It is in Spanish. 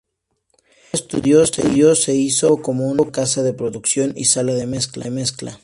El estudio se hizo activo como una casa de producción y sala de mezcla.